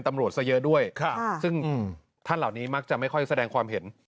ตำรวจซะเยอะด้วยซึ่งท่านเหล่านี้มักจะไม่ค่อยแสดงความเห็น